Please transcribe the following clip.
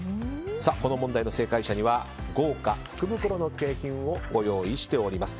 この問題の正解者には豪華福袋の景品をご用意しています。